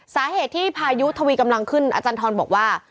สาเหตุที่พายุทวีกำลังขึ้นอาจารย์ทรบอกว่า